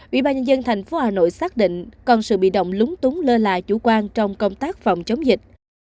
ủy ban nhân dân thành phố hà nội xác định còn sự bị động lúng túng lơ lại chủ quan trong công tác phòng chống dịch